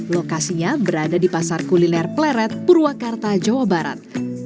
lokasinya berada di pasar kuliner pleret purwakarta jawa barat